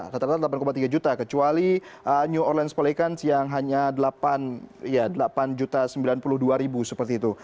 rata rata delapan tiga juta kecuali new online policons yang hanya delapan sembilan puluh dua ribu seperti itu